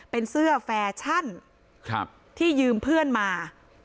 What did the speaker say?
เป็นเสื้อแฟชั่นที่ยืมเพื่อนมา